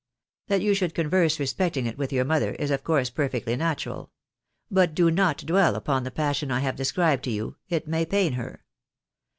That you should converse respecting it with your mother, is of course perfectly natural. But do not dwell upon the passion I have described to you — it may pain her.